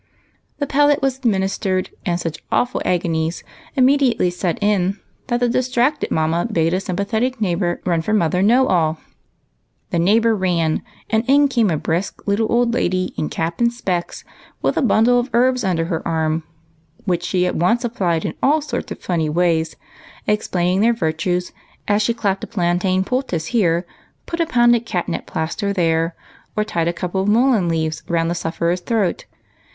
The pellet was administered, and such awful agonies immediately set in that the distracted mamma bade a sympathetic neighbor run for Mother Know all. The neighbor ran, and in came a brisk little old lady in cap and specs, with a bundle of herbs under her arm, which she at once applied in all sorts of funny ways, explaining their virtues as she clapped a plantain poultice here, put a pounded catnip plaster there, or tied a couple of mullein leaves round the sufferer's throat.